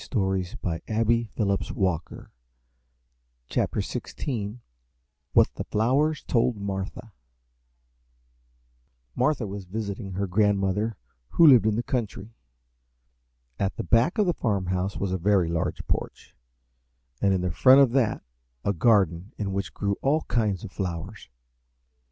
WHAT THE FLOWERS TOLD MARTHA [Illustration: What the Flowers told Martha] Martha was visiting her grandmother, who lived in the country. At the back of the farmhouse was a very large porch, and in the front of that a garden in which grew all kinds of flowers.